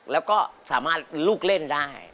แล้วก็สามารถลูกเล่นได้